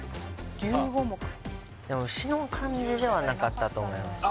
牛五目でも牛の感じではなかったと思うあ